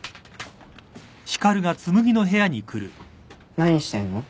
何してんの？